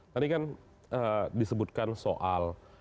tadi kan disebutkan soal